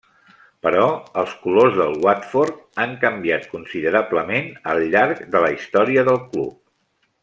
Però els colors del Watford han canviat considerablement al llarg de la història del club.